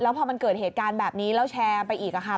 พอมันเกิดเหตุการณ์แบบนี้แล้วแชร์ไปอีกค่ะ